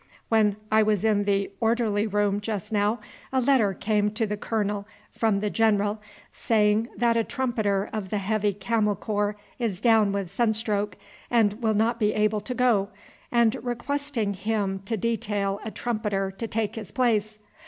When I was in the orderly room just now a letter came to the colonel from the general, saying that a trumpeter of the Heavy Camel Corps is down with sunstroke and will not be able to go, and requesting him to detail a trumpeter to take his place.